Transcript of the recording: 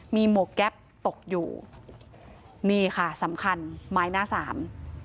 มีหมวกแก๊ปตกอยู่นี่ค่ะสำคัญไม้หน้าสาม